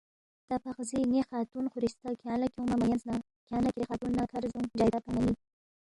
تا پقزی ن٘ی خاتون خورِستہ کھیانگ لہ کھیونگما مہ یَنس نہ کھیانگ نہ کِھری خاتون نہ کَھر زدونگ جائداد گنگمہ ن٘ی